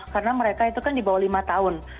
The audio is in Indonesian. karena mereka itu kan di bawah lima tahun